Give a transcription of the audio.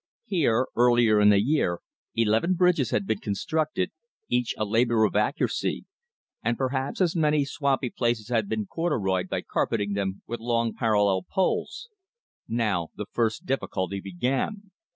Here, earlier in the year, eleven bridges had been constructed, each a labor of accuracy; and perhaps as many swampy places had been "corduroyed" by carpeting them with long parallel poles. Now the first difficulty began.